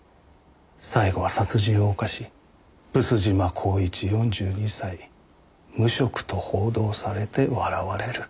最後は殺人を犯し毒島幸一４２歳無職と報道されて笑われる。